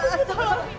aduh bu tolong